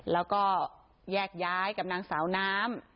แล้วก็แยกย้ายกับนางสาวน้ำ